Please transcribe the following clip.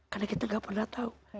karena kita gak pernah tahu